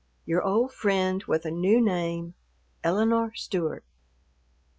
Your old friend with a new name, ELINORE STEWART.